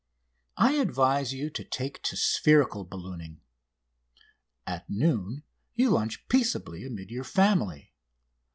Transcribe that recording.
I advise you to take to spherical ballooning. At noon you lunch peaceably amid your family.